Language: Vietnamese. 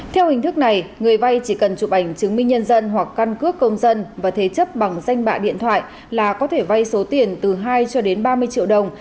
theo hình thức này người vay chỉ cần chụp ảnh chứng minh nhân dân hoặc căn cước công dân và thế chấp bằng danh bạ điện thoại là có thể vay số tiền từ hai cho đến ba mươi triệu đồng